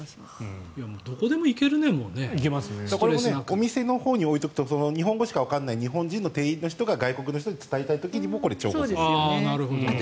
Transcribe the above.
お店のほうに置いておくと日本語しかわからない日本人の店員の方が外国の人に伝えたい時にも重宝する。